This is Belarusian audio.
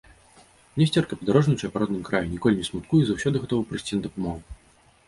Несцерка падарожнічае па родным краі, ніколі не смуткуе і заўсёды гатовы прыйсці на дапамогу.